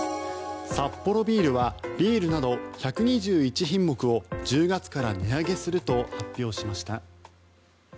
サッポロビールはビールなど１２１品目を１０月から値上げすると発表しました。